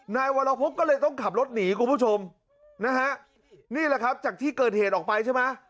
นายวรพบก็เลยต้องขับรถหนีคุณผู้ชมนะฮะนี่แหละครับจากที่เกิดเหตุออกไปใช่ไหม